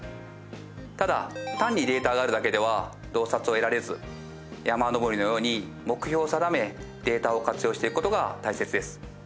ただ単にデータがあるだけでは洞察を得られず山登りのように目標を定めデータを活用していく事が大切です。